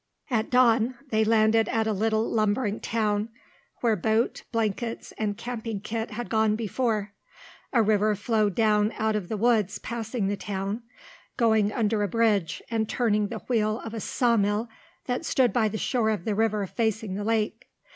At dawn they landed at a little lumbering town, where boat, blankets, and camping kit had gone before. A river flowed down out of the woods passing the town, going under a bridge and turning the wheel of a sawmill that stood by the shore of the river facing the lake.